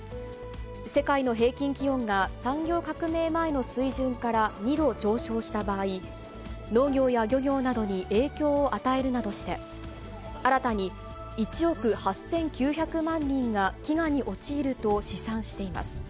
世界の平均気温が産業革命前の水準から２度上昇した場合、農業や漁業などに影響を与えるなどして、新たに１億８９００万人が飢餓に陥ると試算しています。